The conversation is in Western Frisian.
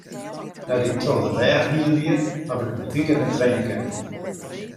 Nei't ik troch de rêch gien wie, haw ik in wike net traine kinnen.